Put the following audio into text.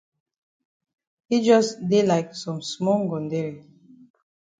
Yi jus dey like some small ngondere.